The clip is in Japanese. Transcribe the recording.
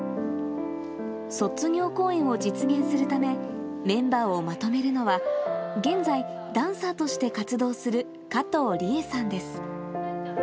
卒業公演を実現するため、メンバーをまとめるのは、現在、ダンサーとして活動する加藤理愛さんです。